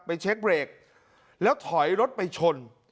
เช็คเบรกแล้วถอยรถไปชน